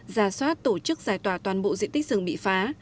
ra soát tổ chức giải tỏa toàn bộ diện tích rừng bị phá